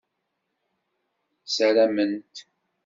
Ssarament.